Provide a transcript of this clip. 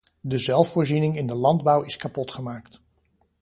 De zelfvoorziening in de landbouw is kapotgemaakt.